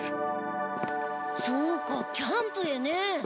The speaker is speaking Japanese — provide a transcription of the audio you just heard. そうかキャンプへねえ。